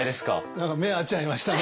何か目合っちゃいましたね。